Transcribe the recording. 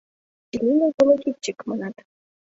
Ильинов — волокитчик», — манат.